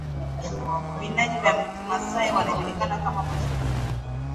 vinaja wa kimasai wanajulikana kama mashujaa